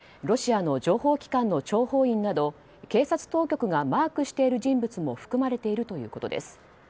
日本国内で主に情報収集を担当しロシアの情報機関の諜報員など警察当局がマークしている人物も含まれているということです。